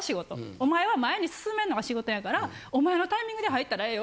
お前は前に進めんのが仕事やからお前のタイミングで入ったらええよ。